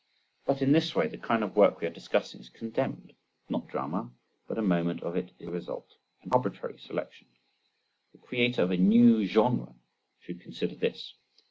—But in this way the kind of work we are discussing is condemned: not the drama but a moment of it is the result, an arbitrary selection. The creator of a new genre should consider this!